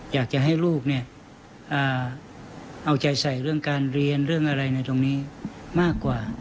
อยากจะให้ลูกเอาใจใส่เรื่องการเรียนเรื่องอะไรในตรงนี้มากกว่า